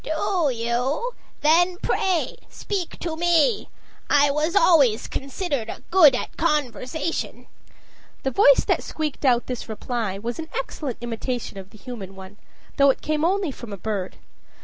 "Do you? Then pray speak to me. I was always considered good at conversation." The voice that squeaked out this reply was an excellent imitation of the human one, though it came only from a bird.